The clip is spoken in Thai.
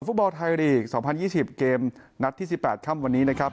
ฟุตบอลไทยลีก๒๐๒๐เกมนัดที่๑๘ค่ำวันนี้นะครับ